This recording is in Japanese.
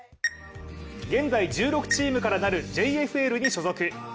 現在１６チームからなるＪＦＬに所属。